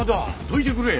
どいてくれ。